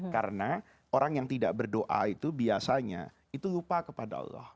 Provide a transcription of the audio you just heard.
karena orang yang tidak berdoa itu biasanya itu lupa kepada allah